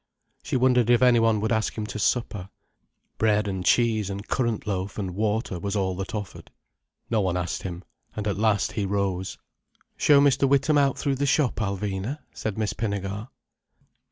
She wondered if any one would ask him to supper—bread and cheese and currant loaf, and water, was all that offered. No one asked him, and at last he rose. "Show Mr. Witham out through the shop, Alvina," said Miss Pinnegar.